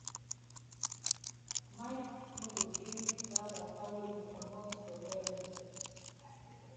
Mike no go drink dat wata wey yi komot for well.